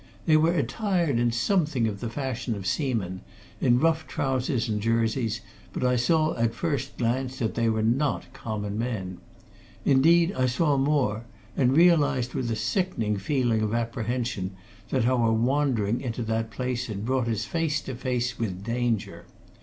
They were attired in something of the fashion of seamen, in rough trousers and jerseys, but I saw at first glance that they were not common men. Indeed, I saw more, and realized with a sickening feeling of apprehension that our wandering into that place had brought us face to face with danger.